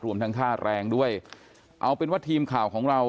รวมทั้งค่าแรงด้วยเอาเป็นว่าทีมข่าวของเรา